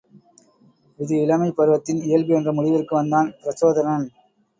இது இளமைப் பருவத்தின் இயல்பு என்ற முடிவிற்கு வந்தான் பிரச்சோதனன்.